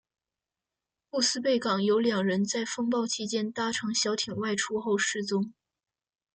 布斯贝港有两人在风暴期间搭乘小艇外出后失踪。